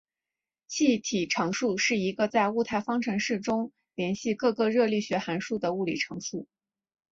气体常数是一个在物态方程式中连系各个热力学函数的物理常数。